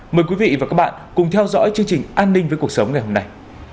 mời quý vị và các bạn cùng theo dõi chương trình an ninh với cuộc sống ngày hôm nay